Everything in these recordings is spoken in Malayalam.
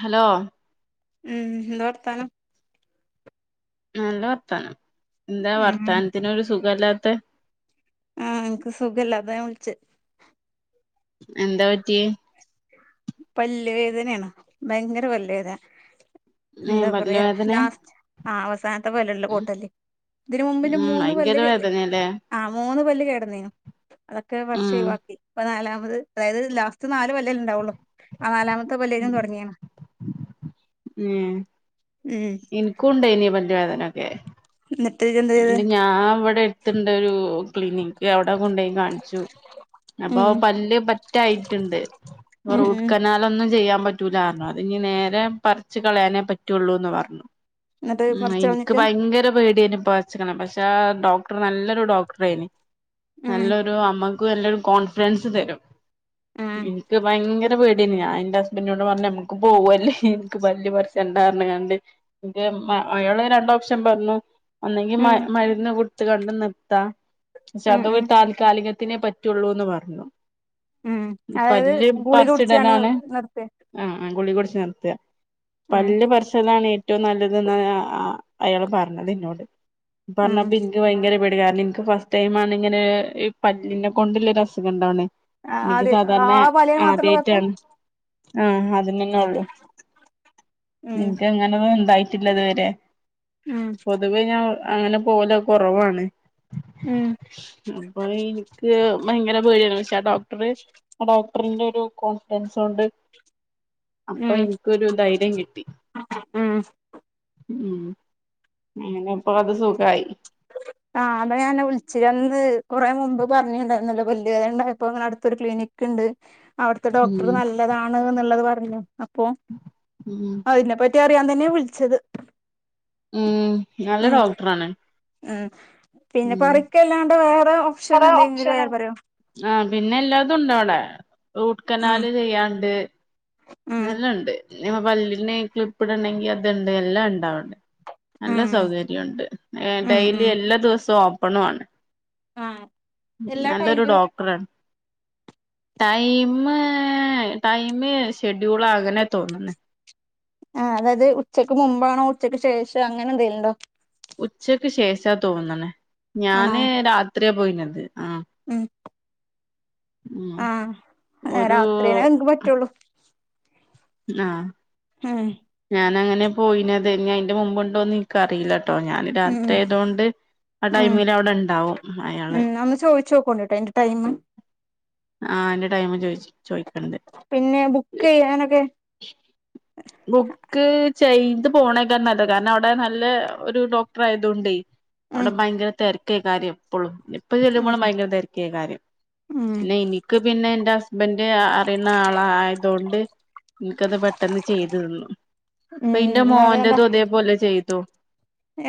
ഹലോ ഉംഹ് എന്താ വർത്താനം നല്ല വർത്താനം എന്താ ഉം വർത്താനത്തിനൊരു സുഖല്ലാ ത്തെ ആഹ് ഇനെക്ക് സുഖല്ലാ അതാ വിളിച്ചെ എന്താ പറ്റി പല്ലുവേദനയാണ് ഭയങ്കര പല്ലുവേദന ഏ എന്താ പല്ല് പറയാ വേദനെ ലാസ്റ്റ് ആ അവസാനത്തെ പല്ല്ള്ളെ കോട്ട്പല്ല് ഇതിന് മുമ്പിൻ്റെ ഉം മൂന്ന് ഭയങ്കര പല്ല് വേദനല്ലേ ആ് മൂന്ന് പല്ല് കേടന്നിനി അതൊക്കെ പറിച്ച് ഉം ഒഴിവാക്കി ഇപ്പൊ നാലാം അത് അതായത് ലാസ്റ്റ് നാല് പല്ലല്ലെ ഉണ്ടാവൊള്ളൂ ആ നാലാമത്തെ ഇപ്പ തുടങ്ങിയാണ് ഉം ഉം എനിക്കും ഉണ്ടേ അതിന് പല്ല് വേദന [unintelligible] അന്നിട്ട് എന്താ ചെയ്തേ ഇവിടെ അടുത്തുണ്ട് ഒരു ക്ലിനിക്ക് അവിടെ കൊണ്ടോയി കാണിച്ചു, അപ്പൊ ഉം പല്ല് പറ്റായിട്ടുണ്ട്, ഉം റൂട്ട് ഉം കനാൽ ഒന്നും ചെയ്യാൻ പറ്റ പറ്റൂല്ല അതിനി നേരെ പറിച്ച കളയാനേ പറ്റുള്ളൂ എന്ന് പറഞ്ഞു. എന്നിട്ട് ഉം, പറിച്ച് എനിക്ക് കളഞ്ഞിക്കാ ഭയങ്കര പേട [unintelligible] [unintelligible] പക്ഷെ ഡോക്ടർ നല്ലൊരു ഡോക്ടർ ആയിന് ഉം നല്ലൊരു അ നമുക്ക് നല്ലൊരു കോൺഫിഡൻസ് തരും ഉം എനിക്ക് ഭയങ്കര എനിക്ക് പേടിയാണ്, ഞാൻ എന്റെ ഹസ്ബൻഡോട് പറഞ്ഞു നമ്മക്ക് പോകല്ലേ, എനിക്ക് പല്ല് പറിക്കണ്ടാന്ന് കണ്ട് എ അയാള് രണ്ട് ഓപ്ഷൻ പറഞ്ഞു. അന്നെങ്കിൽ ഉം മരുന്ന കു എത്ത് കണ്ട നിർത്താ ഉം ചതവ് ഉം താൽകാലിക്ക ത്തിനെ പറ്റുള്ളൂന്ന് പറഞ്ഞു ഉം ഈ അതായത് പല്ല് ഗുളിക പറിച്ച് കുടിച്ചാണ്ട് ഇടലാണ് നിർത്തിയെ ആ ആ ഗുളിക കുടിച്ച് നിർത്താ ഉം പല്ല് പറിച്ചതാണ് ഏറ്റവും നല്ലതെന്ന ആ അയാൾ പറഞ്ഞത് എന്നന്നോട് ഉം പറഞ്ഞപ്പ എനിക്ക് ഭയങ്കര നിങ്ങക് ഫസ്റ്റ് ടൈം ആണ് ഇങ്ങനെ ഈ പല്ലിനെ കൊണ്ടുള്ള അസുഖം ഉണ്ടാവണേ. ആ എനിക്ക് അത് ആ സാധാരണ വലയ മാത്രമേ ഉള്ളൂ കുഴപ്പം ആദ്യായിട്ടാണ് ആ അതിനന്നെ ഉള്ളു, ഉം എനക്ക് അങ്ങനെ എന്തായി പിന്നിത് വരെ ഉം പൊതുവേ ഞാൻ അങ്ങനെ പോലെ കൊറവാണ് ഉം അപ്പൊ എനിക്ക് ഭയങ്കര പേടിയാണ് പച്ചേ ഡോക്ടർ ഡോക്ടറിന്റെ ഒരു കോൺഫിഡൻസ് കൊണ്ട് അപ്പൊ ഉം എനിക്കൊരു ധൈര്യം കിട്ടി ഉം ഉം അങ്ങനെ അപ്പൊ അത് സുഖായി ആഹ് അതെ ഞാൻ വിളിച്ചിരിന്ന് കൊറെ മുമ്പ് പറഞ്ഞിണ്ടായിരുന്നല്ലോ പല്ല് വേദന ഇണ്ടായപ്പൊ ഇങ്ങനെ അടുത്തൊരു ക്ലിനിക്ക് ഇണ്ട്. അവിടുത്തെ ഡോക്ടർ ഉം നല്ലതാണ് എന്നുള്ളത് പറ.. [inaudible] അപ്പൊ ഉം അതിനെ പ.. [unintelligible] അറിയാൻ തന്നെയാ വിളിച്ചത് ഉം നല്ല ഡോക്ടറാണ്. അ പിന്നെ ഉം പറിക്കല്ലാണ്ട് വേറെ ഓപ്ഷൻ കൊറേ എന്തെങ്കിലും വേറെ ഓപ്ഷനാണ് പറയോ ആഹ് പിന്നെ എല്ലാതും ഉണ്ടോ അവിടെ റൂട്ട് ഉം കനാല് ചെയ്യാണ്ട്.. ഉം നല്ലണ്ട് ന പല്ലിന് ക്ലിപ്പിടണങ്കി അത്ണ്ട് എല്ലാം ഉണ്ടാവണ്ടേ നല്ല ഉം സൗകര്യം ഉണ്ട് ഉം ഡെയിലി ഉം എല്ലാ ദിവസവും ഒ.. പണുവാണ് ആ എല്ലാ നല്ലൊരു ടൈമിലും ഉണ്ടോ ഡോക്ടറാണ് ടൈമ് ടൈമ് ചോയിച്ച്.. ഷെഡ്യൂൾ ആകനെ തോന്നുന്നെ ആ അതായത് ഉച്ചക്ക് മുമ്പാണോ ഉച്ചക്ക് ശേഷം അങ്ങനെ എന്തുണ്ടോ ഉച്ചക്ക് ശേഷാ തോന്നണ ആണോ ഞാന് രാത്രി അതേ പോയിന്നത് ഉം ഉം ആ ഒരു രാത്രിനെ എനിക്ക് പറ്റുള്ളൂ ആ ആ ഞാന അങ്ങനെ പോയിന അതിന്റെ മുമ്പുണ്ടോന്ന് നക്ക് അറിയില്ല. കേട്ടോ ഞാന് ഉം രാത്രി ആയതൊണ്ട് ആ ഉം ടൈമില് അവിടെ ഉണ്ടാവും അയാള്. ഉം ഒന്ന് ചോദിച്ചു നോക്കോണ്ടിട്ടോ എന്റെ ടൈം ആ എന്റെ ടൈമ് ചോയിച് ചോയിക്കണ്ട് പിന്നെ ബുക്ക് ചെയ്യാനൊക്കെ ബുക്ക് ചെയ്തു പോണേക്കാണ് നല്ലത് കാരണം അവിടെ നല്ല ഒരു ഡോക്ടർ ആയതൊണ്ടെ ഉം അവിടെ ഭയങ്കര തെര ക്കേക്കാരും എപ്പൊഴും എപ്പ ഉം ചെല്ലുമ്പോളും ഭയങ്കര തെരക്കേക്കാരും ഉം പിന്നെ എനിക്ക് പിന്നെ എന്റ ഹസ്ബന്റ് അറിയുന്ന ആള് ആയതുകൊണ്ട് എനിക്കത് പെ ചെയ്തു തന്നു. ഉം ഇപ്പൊ ഇന്റെ എന്നാ വേണ്ട മോന്റതും ഇതേപോലെ ചെയ് തു.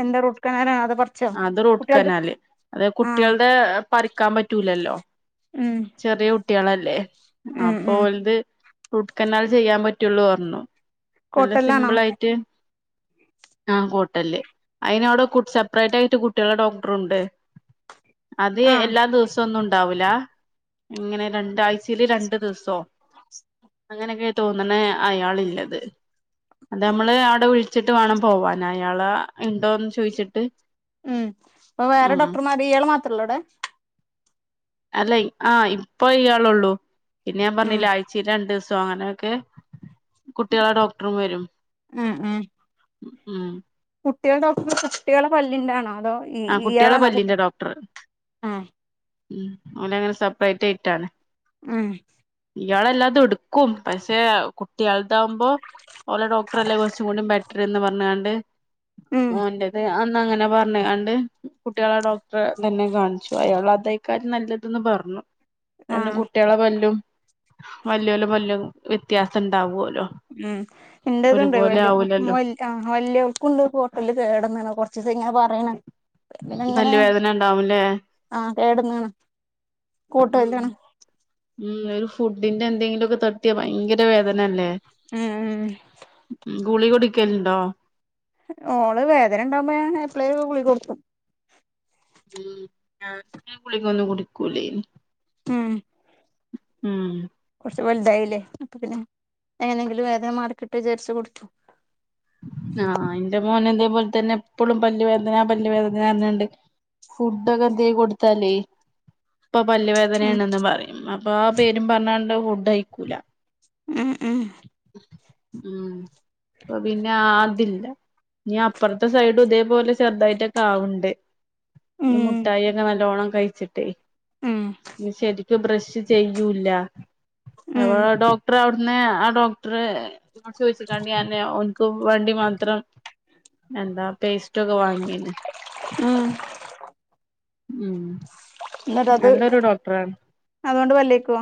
എന്താ റൂട്ട് കനാലാ അത് പറിച്ചോ അത് കുട്ടികൾത് റൂട്ട്ക്കനാല് അത് ആഹ് കുട്ടികളുടെ പറിക്കാൻ പറ്റൂലല്ലോ ഉം ചെറിയ കു കുട്ട്യാളല്ലേ ഉം അപ്പൊ ഉം ഓല്ത് റൂട്ട് കനാൽ ചെയ്യാൻ പറ്റുള്ളു പറഞ്ഞു. നല്ല കോട്ടല്ലാണോ സിമ്പിൾ ആയിട്ട് ആഹ് കോട്ടലില് അയിന് അവിടെ സെപ്പറേറ്റ് ആയിട്ട് കുട്ട്യാളെ ഡോക്ടറുണ്ട് അത് ആഹ് എല്ലാ ദിവസം ഒന്നു ണ്ടാവുല ഇങ്ങനെ രണ്ടാഴ്ച ക്ക് രണ്ട് ദിവസോ അങ്ങനെയൊക്കെ തോന്നണ അയാളില്ലത് ത്. അത് നമ്മള് അവിടെ വിളി ളിച്ചിട്ട് വേണം പോവാൻ അയാള ഉണ്ടോന്ന് ചോയിച്ചിട്ട്. മ്മ് അപ്പൊ വേറെ ഡോക്ടർമാർ ഇയാള് മാത്ര ത്രേ ഉള്ളടെ? അല്ലെ ആഹ് ഇപ്പൊ ഇയാളെ ഉള്ളൂ. പിന്നെ ഞാൻ ഉം പറഞ്ഞില്ലേ ആഴ്ചയില് രണ്ട് ദിവസെ സോ അങ്ങനൊക്കെ കുട്ടികളെ ഡോക്ടറും വരും ഉം മ്മ് കുട്ടികളുടെയോ അപ്പോ കുട്ടികളുടെ പല്ലിന്റൊണോ അതോ ഇ ആഹ് കുട്ടികളെ ഇയാളണോ കുട്ടി ആഹ് മ്മ് ഓല് അങ്ങനെ സെപ്പറേറ്റ് ആയിട്ടാണ് മ്മ് ഇയാളെല്ലാതെടു ക്കും പക്ഷേ കുട്ടികൾതാവുമ്പോ ഓലെ ഡോക്ടർല്ലേ കുറച്ചും കൂടി ബെറ്റർന്ന് പറഞ്ഞാണ്ട് ഉം ഓൻ്റെത് അൻ അങ്ങനെ പറഞ്ഞ് ആ ട് കുട്ടിളെ ഡോക്ടറെ തന്നെ കാണിച്ചു അയാൾ അതായ്കാരം നല്ലതന്ന് പറഞ്ഞു പിന്നെ ആഹ് കുട്ടികളെ പല്ലും വല്ല്യോലെ പല്ലും വ്യത്യാസം ണ്ടാവോൽ ഉം ൻ്റെതുണ്ട് വല്യ ആവൂലല്ലോ മോൽ അ വല്യൾക്കുണ്ട്പൊതല്ല് ലിൽ കേടന്ന്ണ് കൊർച്ചിസയി ങ്ങെനെ പർ റയന പിന്നങ്ങനെ പല്ല് വേദന ഉണ്ടാവുംല്ലേ ആഹ് കേടന്ന്ണ് ഉം കൂട്ടുഅല്ലാണ് ഉം ഒരു ഫുഡിന്റെ എന്തെങ്കിലുക്കെ തട്ടിയാ ഭയങ്കര വേദന അല്ലേ ഉം ഉം ഗുളിക കുടിക്കലുണ്ടോ ഓള് വേദന ണ്ടാവുമ്പോ ഞാൻ എപ്പളേ ഗുളിഗ കൊടുക്കും ഉം കുളികന്നും കുടിക്കൂലേഞ് ഉം ഉം കുറച്ച് വലുതായില്ലേ അപ്പൊ പിന്നെ എങ്ങനെങ്കിലും വേദന മാറിക്കിട്ടൊ വിചാരിച്ചു കൊടുത്തു ആ ഇൻ്റെ മോന് ഇതേ പോൽ തന്നെ എപ്പളും പല്ല് വേദന പല്ല് വേദന ർഞാണ്ട് ഫുഡൊക്കെ എന്തി കൊടുത്താലേ പ്പൊ പല്ല് ഉം വേദനയാണെന്ന് പറയും അപ്പൊ ആ പേരും പറഞ്ഞണ്ട് ണ്ടഹ് ഫുഡ് കഴിക്കൂല ഉം ഉം ഉംഅ പിന്നെ അതില്ല ഞ്ഞി അപ്പർത്തെ സൈഡും ഇതേപോലെ ചെറുതായിട്ടൊക്കെ ആവ്ണ്ട് ഈ ഉം മുട്ടായി ഒക്കെ നല്ലോണ്ണം കഴിച്ചിട്ടേ ഉം മ്മ് ശരി ക്ക് ബ്രഷ് ചെയ്യൂല്ല ഉം ഇവളെ ഡോക്ടർ അവിട് ന്നെ ആ ഡോക്ടറ് തിനോട് ചോയിച്ക്കാണ്ട് ഞാനെ കു വണ്ടി മാത്രം എന്താ പേസ് റ്റൊക്കെ വാങ്ങിന് ഉം ഉം എന്നിട്ട് അത് നല്ലൊരു ഡോക്ടറാണ് അതോണ്ട് പല്ലേക്കൊ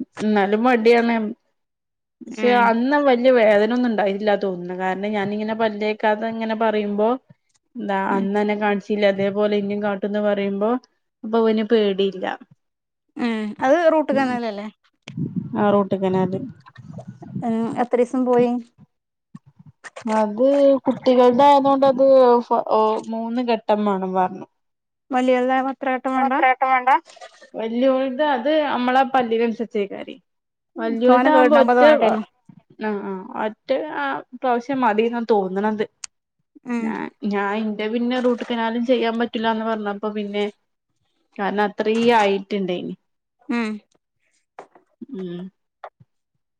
മ് എന്നാലും മടിയാണ് ശ്ശെ ഉം അന്ന് വ വല്യ വേദന ഒന്നും ഉണ്ടായില്ല തോന്നുന്നു കാരണം ഞാനിങ്ങനെ പല്ലക്കാത്ത ഇങ്ങനെ പറയുമ്പോ എന്താ ഉം അന്ന് എന്നെ കാണിച്ചില്ല അതേപോലെ ഇനിയും കാട്ടന്ന് പറയുമ്പോ അപ്പൊ അവന് പേടിയില്ല ഉം അത് റൂട്ട് കന്നലല്ലേ ക്കനെ അത് ഉം എത്രീസം പോയി അത് കുട്ടികള്ടെ ആയത് കൊണ്ട് അത് മൂന്ന് ഘട്ടം മാണം പറ്ന്നു മല്ലിയ [unintelligible] മ ത്ര [unintelligible] വട്ടം വേണ്ട വെല്യ അത് അമ്മളെ പല്ലിനൻസർ ചേക്കാരി തോനെ വല്യോല്താവുമ്പോ കേടുണ്ടാവുമ്പോ ഒറ്റ തോനെ ടൈം ആഹ് ആഹ് അറ്റ് ആ പ്രാവശ്യം മതിന്നാ തോന്ന്ണത് ഉം ഞാൻ ഞായ് [unintelligible] പിന്നെ റൂട്ട് കനാലും ചെയ്യാൻ പറ്റില്ല എന്ന് പറഞ്ഞപ്പൊ പിന്നെ കാര്ണം അത്രേ ആയിട്ട്ണ്ട് ഇനി ഉം ഉം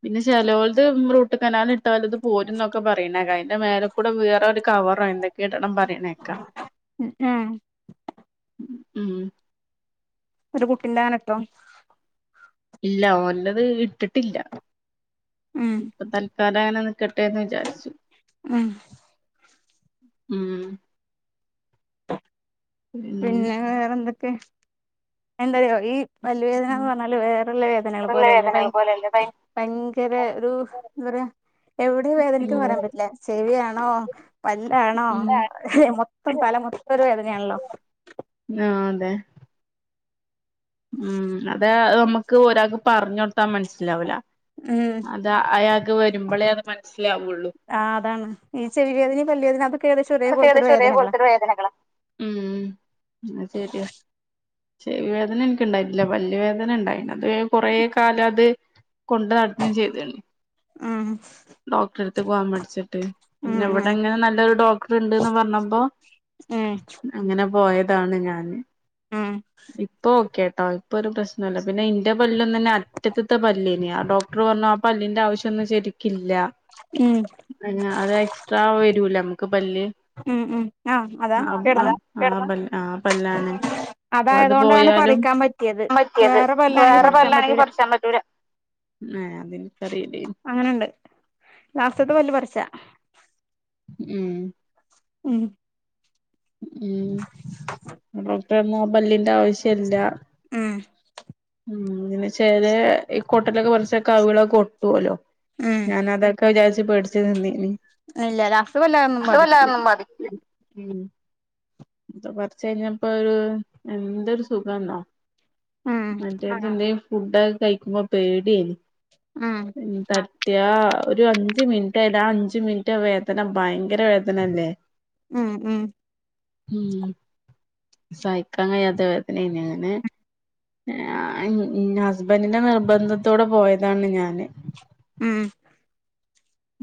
പിന്നെ ചെലോല്ത് റൂ കനാൽ ഇട്ടാൽ ഇത് പോരും ഇന്നൊക്കെ പറ്യണേ അയ്ന്റെ മേലക്കൂടെ വേറെ ഒരു കവറ എന്തൊക്കെയ ഇടണം പറിണേക്ക ഉം ഉം ട്ടം ഇല്ല ഓൻറ്റത് ഇട്ട്ട്ട്ല്ല ഉം ഇപ്പൊ തൽക്കാലം അങ്ങനെ നിക്കട്ടെന്ന് വിചാര്ച്ചു ഉം ഉം പിന്നെ വേറെ എന്തെക്കെ എന്തറയോ ഈ വല്ലുവേദന ഉം എന്ന് പറഞ്ഞാല് വേറെള്ള വേദനകൾ പോലെയല്ലേ ഭയ ഭയങ്കര ഒരു എന്താ പറയയാ എവിടെ വേദനക്ക്ന്ന് പറയാൻ പല്ല് പല്ലുവേദന എന്നു പറഞ്ഞാൽ വേറ ല്ല വേദന പോലെ അല്ല ഭയങ്ക ഒരു എന്ത പറയ എവടെ വേദനിക്കുന്നേ പറയാൻപറ്റില്ല ചെവിയണോ പല്ലാണോ ഉം മൊത്തം തല മൊത്തം ഒരു വേദനയാണല്ലോ ആഹ് ആഹ് അതെ ഉം അതെ നമ്മുക്ക് ഒരാ പറഞ്ഞൊടുത്താ മനസ്സിലാവുല്ല ഉം അത് അയാകെ വരുമ്പോളേ അത് മനസ്സിലാവുള്ളൂ ആ അതാണ് ഈ ചെവി വേദനയും പല്ല് വേദന അതൊക്കെ ഏകദേശം ഒരേ അതൊക്കെ പോലത്തൊരു ഏകദേശം ഒരേ വേദനകളാ പേലത്തൊരു വേദനകളാണ് ഉം അത് ശരിയ ചെവി വേദന ഇൻക്ക് ഇണ്ടായിട്ട്ല്ല പല്ല് വേദന ഇണ്ടായിനി അത് കൊറെ കാലം അത് കൊണ്ട് നടന്ന് ചെയ്തിണ് ഉം ഡോക്ടറെടുത്ത് പോവാൻ മടിച്ചിട്ട് ഉം പിന്നെ ഉം ഇവിടെങ്ങനെ നല്ലൊരു ഡോക് വര്ണ പറ്ഞ്ഞപ്പൊ ഉം അങ്ങനെ പോയതാണ് ഞാന് ഉം ഇപ്പൊ കെ ആ ഇപ്പൊരു പ്രശ്നവുല്ല പിന്നെ ഇന്റെ പല്ലന്നന്നെ അറ്റത്ത്ത്തെ പല്ലേനി ആ ഡോക്ടർ പറഞ്ഞു ആ പല്ലിന്റെ ആവശ്യൊന്നും ശരിക്കില്ല ഉം അയിന് അത് എക്സ്ട്രാ വരൂല നമ്മക്ക് പല്ല് ഉം ഉം ആ അതാ ആ കിടന്ന പല് ആ പല്ലാണ് അ അത് അതായതുകൊണ്ടാണ് പോയാലും പറിക്കാൻ പറ്റിയത് വേറെ പല്ലാണെങ്കി പറിച്ചാൻ പറ്റൂല ഏ അതിനിക്കറീല്ലേനി അങ്ങനെണ്ട് ലാസ്റ്റ്ത്തെ പല്ല് പറിച്ചാ ഉം ഉം ഉം [unintelligible] പെട്ന്നൊ പല്ലിന്റെ ആവശ്യല്ല ഉം ഉം ങ്ങനെ ചെലേ ഈ കോട്ടലൊക്കെ പറിച്ചാ കവികളൊക്കെ ഒട്ടുവല്ലോ ഉം ഞാനതൊക്കെ വിചാ ട്ട് പേടിച്ച് നിന്നീനി ഇല്ല ലാസ്റ്റ് വല്ലാതൊന്നും അത് ബാധിക്കൂ വല്ലാതൊന്നും ഉം ഇത്ര പറ്ച്ചഴിഞ്ഞപ്പോര് എന്തൊരു സുഖാന്നൊ ഉം മറ്റേത് എന്തെ ഫുഡെക്ക് കഴിക്കുമ്പോ പേടിയേനി ഉം തട്ടിയാ ഒരു അഞ്ച്മിനിറ്റ് ആയി രഞ്ച് മിനിറ്റ് വേദന ഭയങ്കര വേദനല്ലേ ഉം ഉം ഉം സഹിക്കാൻ കഴിയാത്ത വേദനേനി ഞാന് ആഹ് ഹസ്‌ബന്റിന്റെ നിർബന്ധത്തോടെ പോയതാണ് ഞാന് ഉം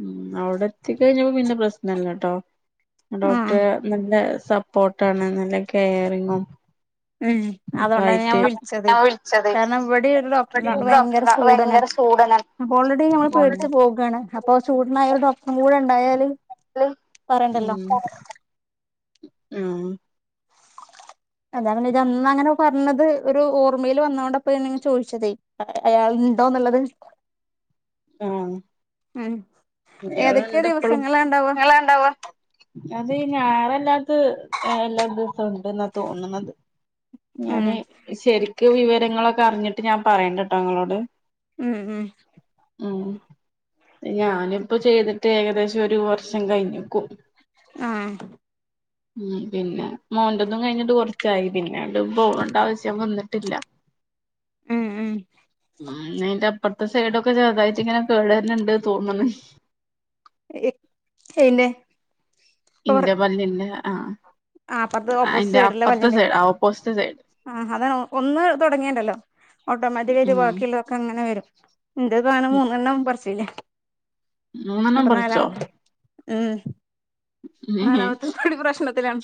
ഉം അവിടെ എത്തിക്കഴിഞ്ഞപ്പോ പിന്നെ പ്രശ്നല്ലട്ടോ ഉം ഡോക്ടർ നല്ല സപ്പോർട്ടാണ് നല്ല കെയറിങ്ങും ഉം ഒക്കെ അതോണ്ടന്നെ ഞാൻ ആയിട്ട് വിളിച്ചത് ഞാൻ വിളിച്ചത് കാരണം ഇവിടെ ഒരു ഇവിടെ ഡോക്ടറെണ്ട് ആള് ഒരു ഭയങ്കര ഡോക്ടറുണ്ട് ആള് ചൂടനാണ് ഭയങ്കര ചൂടനാണ് അപ്പൊ ഓൾറെഡി നമ്മള് ഓൾറെഡി പേടിച്ച് പോകാണ് അപ്പൊ ചൂടനായ ഒരു ഡോ ക്കൂടണ്ടായാലും ഉം ആ അതാ പിന്നെ ഇജന്നങ്ങനെ പറഞ്ഞത് ഒരു ഓർമ്മയിൽ വന്നതോണ്ടപ്പന്ന് ചോദിച്ചതേ അയാള്ണ്ടോന്ന്ള്ളത് ആ ഉം അയാള്ണ്ട്പ്പളും അയാളാടെണ്ടാവോ അത് ഞായറല്ലാത്ത എല്ലാ ദിവസം ഉണ്ടന്നാ തോന്നുന്നത് ഉം ഞാന് ശരിക്ക് വിവരങ്ങളൊക്കെ അറിഞ്ഞിട്ട് ഞാൻ പറയണ്ട കേട്ടോ നിങ്ങളോട് ഉം ഉം ഉം ഞാനും ഇപ്പൊ ചെയ്തിട്ട് ഏകദേശം ഒരു വർഷം കഴിഞ്ഞക്കും ആഹ ഉം പിന്നെ മോന്റതും കഴിഞ്ഞിട്ട കുറച്ച് ച്ചായി പിന്നെണ്ടും പോകണ്ട ആവശ്യം വന്നിട്ടില്ല ഉം ഉം ഉം അയിന്റെ അപ്പുറത്തെ സൈഡോക്കെ ചെറുതായിട്ട് ഇങ്ങനെ കേടവരുന്നണ്ട് തോന്നണ് എ എന്നെ ഇന്റെ പല്ലെന്നേ ആ ആ അപ്പറത്ത് ഓപ്പോസിറ്റ് സൈഡല്ലേ പല്ലല്ലേആ ഓപ്പോസിറ്റ് സൈഡ് അതാണ് ഒന്ന് തുടങ്ങിയണ്ടല്ലോ ഓട്ടോമാറ്റിക്കായിട്ട് ഉം ബാക്കിയുള്ളതൊക്കെങ്ങനെ വരും ഇന്തതും അങ്ങനെ മൂന്നണ്ണം പറിച്ചെ മൂന്നണ്ണം പറിച്ചോ ഉം നാലാമത്തെ കടി പ്രശ്നത്തിലാണ്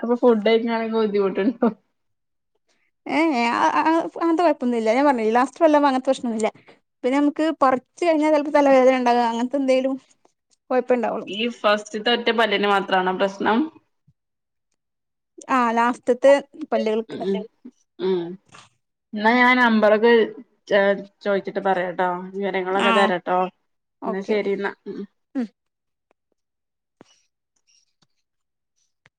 അപ്പൊ ഫുഡ് കഴിക്കാനൊക്കെ [inaudible] ഏ അങ്ങനത്തെ കുഴപ്പൊന്നും ഇല്ല ഞാൻ പറഞ്ഞ ലാസ്റ്റ് വല്ല് അങ്ങനത്തെ പ്രശ്നൊന്നുമില്ല പിന്നെ നമുക്ക് കുറച്ച് കഴിഞ്ഞാൽ ചിലപ്പോ തലവേദന ഉണ്ടാകാം അങ്ങനത്തെ എന്തേലും ഈ ഫസ്റ്റ്ത്തെ ഒറ്റ പല്ലിന് മാത്രണോ പ്രശ്നം ആഹ ലാസ്റ്റ് അറ്റത്തെ പല്ലികൾക്ക് ഉം ഉം എന്നാ ഞാൻ നമ്പറൊക്കെ ചോദിച്ചിട്ട് പറയാട്ടോ വിവരങ്ങളൊക്കെ ആ തരട്ടോ എന്നാ ഓക്കെ ശരി എന്നാ